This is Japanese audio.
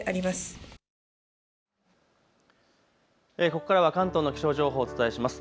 ここからは関東の気象情報をお伝えします。